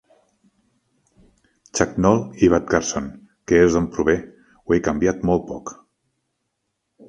Chuck Noll i Bud Carson, que és d'on prové, ho he canviat molt poc.